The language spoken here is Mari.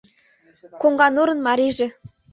Коҥганурын марийже